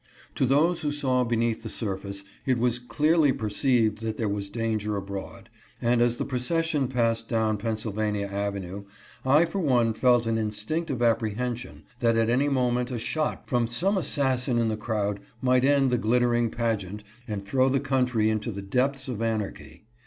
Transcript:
To those who saw beneath the surface it was clearly perceived that there was danger abroad, and as the procession passed down Pennsylvania avenue I for one felt an instinctive apprehension that at any moment a shot from some assassin in the crowd might end the glit tering pageant and throw the country into the depths of anarchy.